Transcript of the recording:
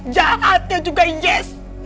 jahatnya juga yes